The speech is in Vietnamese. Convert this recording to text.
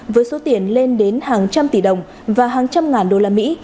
với số tiền lên đến hàng trăm tỷ đồng và hàng trăm ngàn đô la mỹ